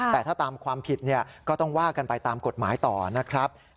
แต่ถ้าตามความผิดก็ต้องว่ากันไปตามกฎหมายต่อนะครับ